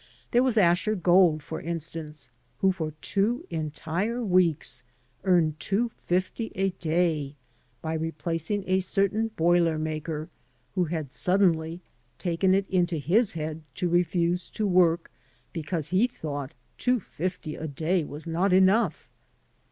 There was Ascher 6oId> for instance, who for two entire weeks earned two fifty a day by replacing a certain boiler maker who had suddenly taken it into his head to refuse to work because he thought two fifty a day not enough!